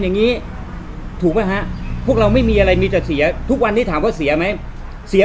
อย่างนี้ถูกไหมฮะพวกเราไม่มีอะไรมีแต่เสียทุกวันนี้ถามว่าเสียไหมเสีย